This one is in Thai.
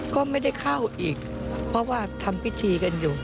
ก็ไม่ได้เข้าอีกเพราะว่าทำพิธีกันอยู่